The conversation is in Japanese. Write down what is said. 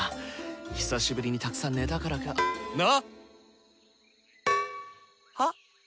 久しぶりにたくさん寝たからかな⁉は？